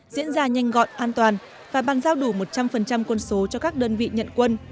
diễn ra nhanh gọn an toàn và bàn giao đủ một trăm linh quân số cho các đơn vị nhận quân